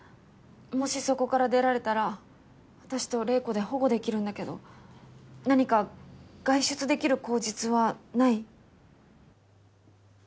もしそこから出られたら私と玲子で保護できるんだけど何か外出できる口実はない？